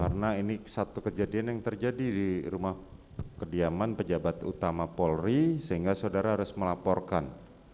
karena ini satu kejadian yang terjadi di rumah kediaman pejabat utama polri sehingga saudara harus melaporkan